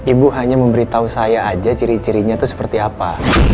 ibu hanya memberitahu saya saja ciri cirinya itu seperti apa